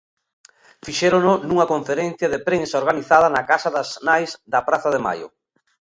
Fixérono nunha conferencia de prensa organizada na casa das Nais da Praza de Maio.